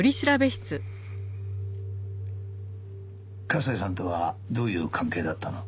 笠井さんとはどういう関係だったの？